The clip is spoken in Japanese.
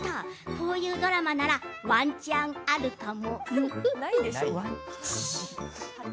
こういうドラマならワンチャンあるかも。